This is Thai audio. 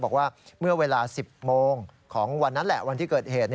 บอกว่าเมื่อเวลา๑๐โมงของวันนั้นแหละวันที่เกิดเหตุ